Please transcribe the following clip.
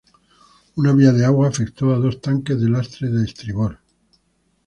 Una vía de agua afectó a dos tanques de lastre de estribor.